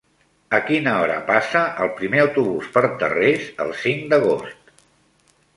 A quina hora passa el primer autobús per Tarrés el cinc d'agost?